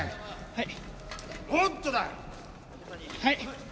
はい！